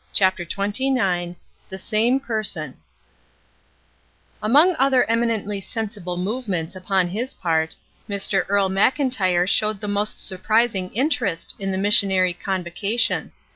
CHAPTER XXIX ''the same person" AMONG other eminently sensible move ments upon his part; Mr. Earle Mclntyre showed the most surprising interest in the missionary convocation.